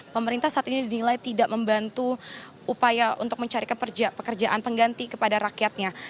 pemerintah saat ini dinilai tidak membantu upaya untuk mencari pekerjaan pengganti kepada rakyatnya